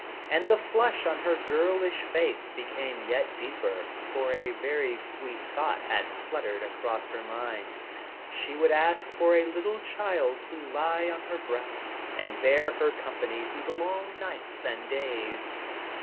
And the flush on her girlish face became yet deeper, for a very sweet thought had fluttered across her mind. She would ask for a little child to lie on her breast, and bear her company through the long nights and days.